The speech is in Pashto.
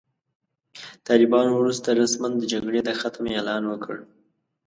طالبانو وروسته رسماً د جګړې د ختم اعلان وکړ.